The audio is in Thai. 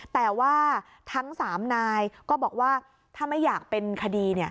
แต่ว่าทั้ง๓นายก็บอกว่าถ้าไม่อยากเป็นคดี